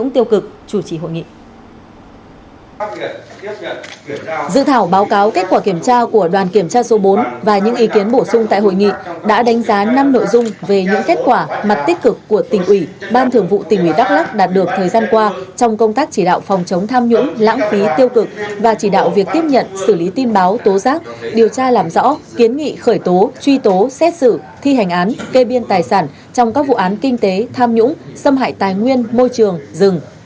trong tháng năm nội dung về những kết quả mặt tích cực của tình ủy ban thường vụ tình ủy đắk lắc đã được thời gian qua trong công tác chỉ đạo phòng chống tham nhũng lãng phí tiêu cực và chỉ đạo việc tiếp nhận xử lý tin báo tố giác điều tra làm rõ kiến nghị khởi tố truy tố xét xử thi hành án kê biên tài sản trong các vụ án kinh tế tham nhũng xâm hại tài nguyên môi trường rừng